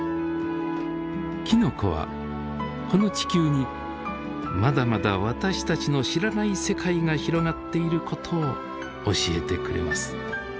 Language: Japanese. きのこはこの地球にまだまだ私たちの知らない世界が広がっていることを教えてくれます。